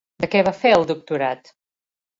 De què va fer el doctorat?